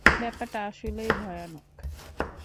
ব্যাপারটা আসলেই ভয়ানক।